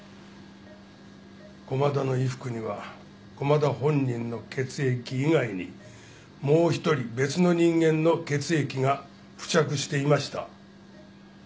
駒田の衣服には駒田本人の血液以外にもう１人別の人間の血液が付着していました。